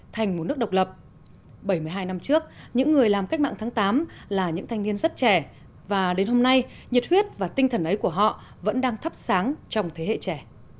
thành một nước độc lập bảy mươi hai năm trước những người làm cách mạng tháng tám là những thanh niên rất trẻ và đến hôm nay nhiệt huyết và tinh thần ấy của họ vẫn đang thắp sáng trong thế hệ trẻ